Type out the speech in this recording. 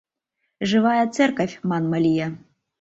«Живая церковь» манме лие.